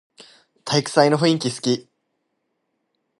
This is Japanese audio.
体育祭の雰囲気すき